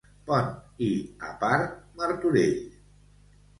Pont i, a part, Martorell.